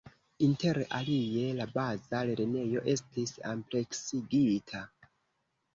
Inter alie, la baza lernejo estis ampleksigita.